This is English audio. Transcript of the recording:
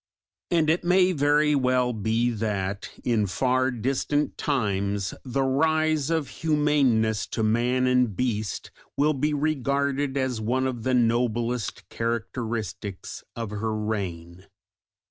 And it may very well be that in far distant times the rise of humaneness to man and beast will be regarded as one of the noblest characteristics of her reign.